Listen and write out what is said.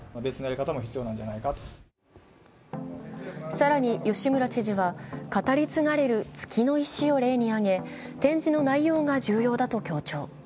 更に吉村知事は語り継がれる月の石を例に挙げ展示の内容が重要だと強調。